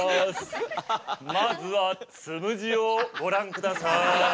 まずはつむじをご覧ください。